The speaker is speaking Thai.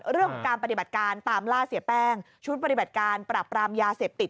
เรื่องของการปฏิบัติการตามล่าเสียแป้งชุดปฏิบัติการปรับปรามยาเสพติด